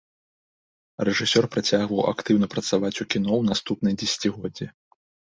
Рэжысёр працягваў актыўна працаваць у кіно ў наступныя дзесяцігоддзі.